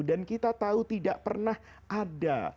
dan kita tahu tidak pernah ada